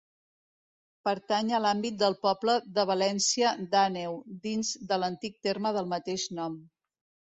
Pertany a l'àmbit del poble de València d'Àneu, dins de l'antic terme del mateix nom.